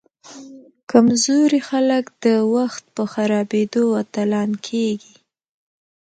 کمزوري خلک د وخت په خرابیدو اتلان کیږي.